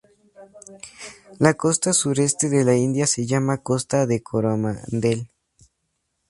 La costa sureste de la India se llama costa de Coromandel.